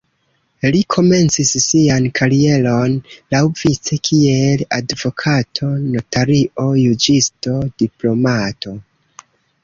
Li komencis sian karieron laŭvice kiel advokato, notario, juĝisto, diplomato.